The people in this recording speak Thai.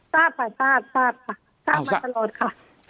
ทราบค่ะทราบทราบค่ะทราบมาตลอดค่ะ